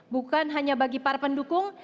bukan hanya bagi para pendukung